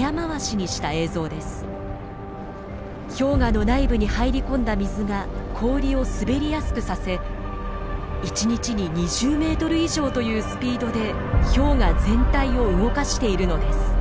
氷河の内部に入り込んだ水が氷を滑りやすくさせ１日に２０メートル以上というスピードで氷河全体を動かしているのです。